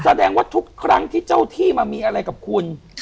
แสดงว่าทุกครั้งที่เจ้าที่มามีอะไรกับคุณ